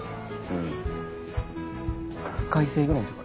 うん。